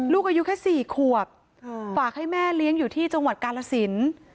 ลูกอายุแค่๔ขวบฝากให้แม่เลี้ยงอยู่ที่จังหวัดกาลสิน